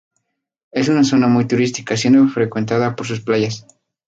Es una zona muy turística, siendo frecuentada por sus playas.